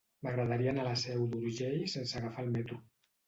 M'agradaria anar a la Seu d'Urgell sense agafar el metro.